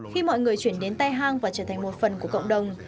khi mọi người chuyển đến tây hàng và trở thành một phần của cộng đồng